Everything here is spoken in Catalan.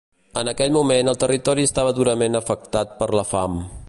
En aquell moment el territori estava durament afectat per la fam.